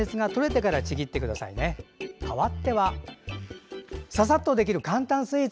かわってはささっとできる簡単スイーツ。